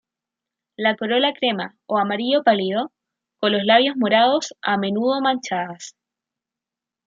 La corolla crema o amarillo pálido, con los labios morados a menudo manchadas.